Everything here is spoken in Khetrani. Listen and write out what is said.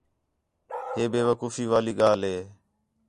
ہِے بے وقوفے والی ڳالھ ہِے